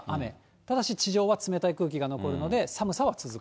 ただし地上は冷たい空気が残るので、寒さは続く。